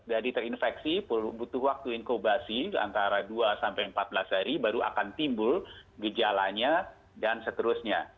dari terinfeksi butuh waktu inkubasi antara dua sampai empat belas hari baru akan timbul gejalanya dan seterusnya